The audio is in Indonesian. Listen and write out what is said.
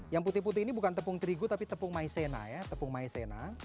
yang putih putih ini bukan tepung terigu tapi tepung maizena ya tepung maizena